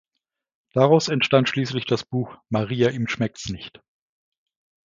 Daraus entstand schließlich das Buch "Maria, ihm schmeckt’s nicht!